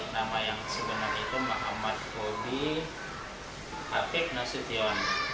nama yang sebenarnya itu muhammad bobi hafez nasution